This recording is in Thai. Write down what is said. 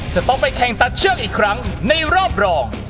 จะต้องไปแข่งตัดเชือกอีกครั้งในรอบรอง